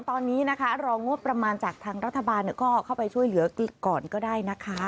ตอนนี้นะคะรองบประมาณจากทางรัฐบาลก็เข้าไปช่วยเหลือก่อนก็ได้นะคะ